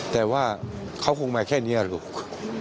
แต่ว่าเขาคงมาแค่นี้ลูก